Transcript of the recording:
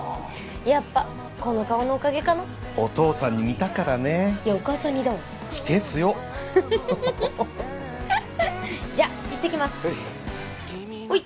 やっぱこの顔のおかげかなお父さんに似たからねいやお母さん似だわ否定強っじゃ行ってきますほい